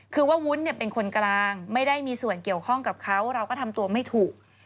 คือว่าวุ้นเป็นคนกลางไม่ได้มีส่วนเกี่ยวข้องกับเขาเราก็ทำตัวไม่ถูก